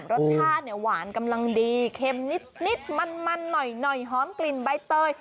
รสชาติเนี่ยหวานกำลังดีเค็มนิดมันหน่อยหอมกลิ่นใบเตย